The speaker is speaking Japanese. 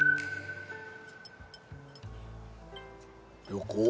旅行？